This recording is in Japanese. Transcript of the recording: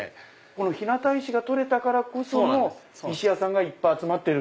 日向石が採れたからこその石屋さんがいっぱい集まってる。